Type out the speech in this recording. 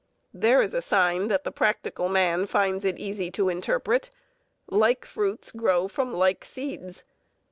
There is a sign that the practical man finds it easy to interpret. Like fruits grow from like seeds.